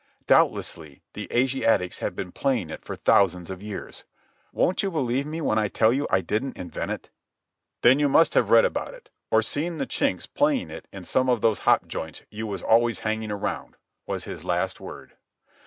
"Doubtlessly the Asiatics have been playing it for thousands of years. Won't you believe me when I tell you I didn't invent it?" "Then you must have read about it, or seen the Chinks playing it in some of those hop joints you was always hanging around," was his last word.